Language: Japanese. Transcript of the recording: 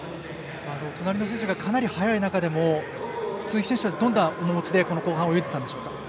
隣の選手がかなり速い中でも鈴木選手は、どんな気持ちで後半泳いでいたんでしょうか？